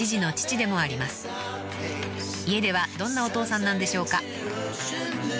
［家ではどんなお父さんなんでしょうか？］